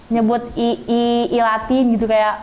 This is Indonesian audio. nyebut i latin gitu